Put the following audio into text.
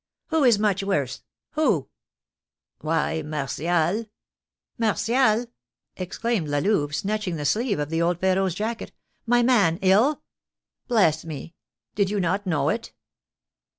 "Who is much worse? Who?" "Why, Martial!" "Martial!" exclaimed La Louve, snatching the sleeve of old Férot's jacket, "My man ill?" "Bless me! Did you not know it?"